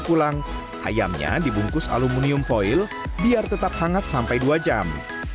pulang ayamnya dibungkus aluminium foil biar tetap hangat sampai dua jam